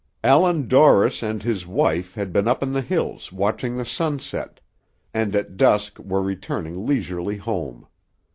Allan Dorris and his wife had been up in the hills watching the sunset, and at dusk were returning leisurely home.